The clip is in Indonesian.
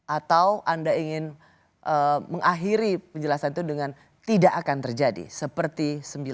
atau anda ingin mengakhiri penjelasan itu dengan tidak akan terjadi seperti seribu sembilan ratus sembilan puluh delapan